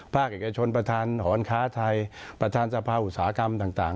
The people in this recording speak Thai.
พตาแขกชนประธานฮคไทยประธานชะพาอุตสาหกรรมต่าง